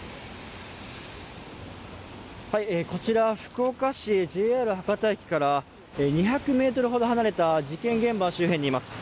こちら、福岡市ＪＲ博多駅から２００ｍほど離れた事件現場周辺にいます。